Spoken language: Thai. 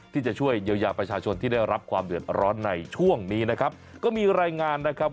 ที่จะช่วยเยียวยาประชาชนที่ได้รับความเดือดร้อนในช่วงนี้นะครับก็มีรายงานนะครับ